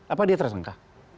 apa dia tersangka